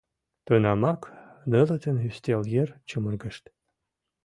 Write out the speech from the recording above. Тунамак нылытын ӱстел йыр чумыргышт.